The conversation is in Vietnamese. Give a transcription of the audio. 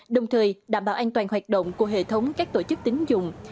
đồng thời đảm bảo an toàn hoạt động của hệ thống các tổ chức tính dụng